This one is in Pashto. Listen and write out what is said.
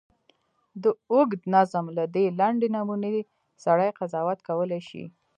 د اوږده نظم له دې لنډې نمونې سړی قضاوت کولای شي.